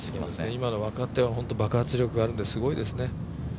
今の若手は本当に爆発力があるのですごいですね。